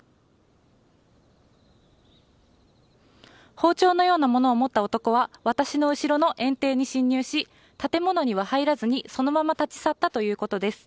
包丁のようなものを持った男は私の後ろの園庭に侵入し建物には入らずにそのまま立ち去ったということです。